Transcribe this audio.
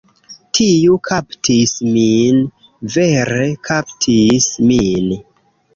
Tiu kaptis min. Vere kaptis min.